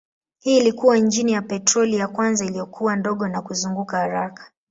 Hii ilikuwa injini ya petroli ya kwanza iliyokuwa ndogo na kuzunguka haraka.